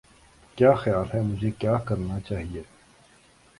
کیا خیال ہے مجھے کیا کرنا چاہئے